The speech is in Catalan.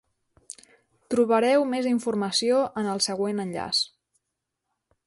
Trobareu més informació en el següent enllaç.